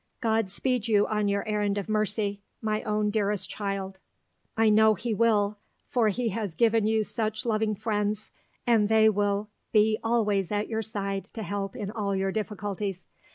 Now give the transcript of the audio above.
God speed you on your errand of mercy, my own dearest child. I know He will, for He has given you such loving friends, and they will be always at your side to help in all your difficulties.